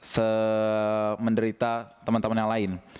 se menderita teman teman